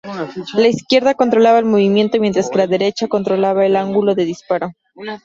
La izquierda controlaba el movimiento, mientras que la derecha controlaba el ángulo de disparo.